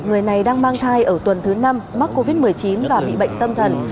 người này đang mang thai ở tuần thứ năm mắc covid một mươi chín và bị bệnh tâm thần